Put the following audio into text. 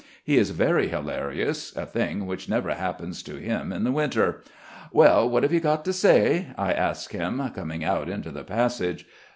He is very hilarious, a thing which never happens to him in the winter. "Well, what have you got to say?" I ask him, coming out into the passage.